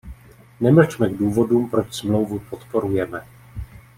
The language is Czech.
Nemlčme k důvodům, proč Smlouvu podporujeme.